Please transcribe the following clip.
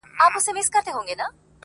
گرانه شاعره له مودو راهسي.